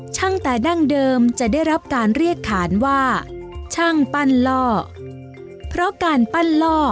ตั้งแต่ดั้งเดิมจะได้รับการเรียกขานว่าช่างปั้นล่อเพราะการปั้นล่อ